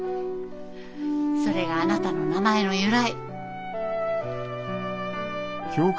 それがあなたの名前の由来。